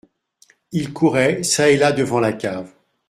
Il courait çà et là devant la cave.